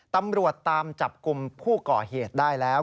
ตำรวจตามจับกลุ่มผู้ก่อเหตุได้แล้ว